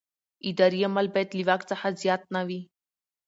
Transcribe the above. اداري عمل باید له واک څخه زیات نه وي.